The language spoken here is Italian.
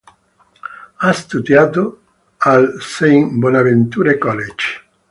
Ha studiato al St. Bonaventure College.